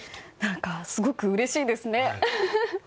すごくうれしいですね。